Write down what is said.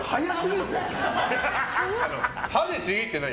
もう、歯でちぎってない。